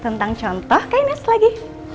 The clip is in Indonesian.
tentang contoh kindness lagi